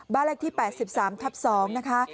บ้านเลขที่๘๓ทับ๒นะคะ